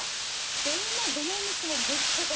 どれもどのお店もめっちゃ楽しかった。